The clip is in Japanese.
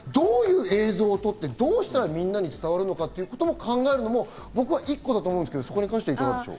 その時にどういう映像を撮って、どうしたらみんなに伝わるのかということも考えるのも僕は一個だと思うんですけど、いかがですか？